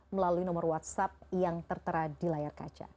melalui nomor whatsapp yang tertera di layar kaca